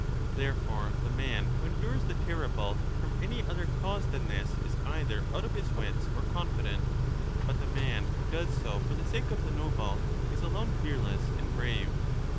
Therefore the man f ^J^ Co^ i who endures the terrible from any other cause than this is j''*^.jwu. either out of his wits or confident ; but the man who does so for the sake of the noble is alone fearless and brave.